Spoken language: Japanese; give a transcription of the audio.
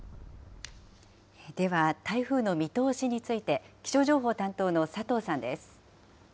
では、台風の見通しについて、気象情報担当の佐藤さんです。